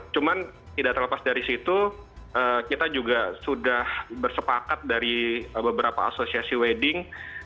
cuman tidak terlepas dari situ kita juga sudah bersepakat dari beberapa asosiasi wedding